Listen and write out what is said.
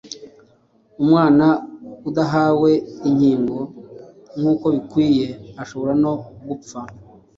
Umwana udahawe inkingo nk’uko bikwiye ashobora no gupfa.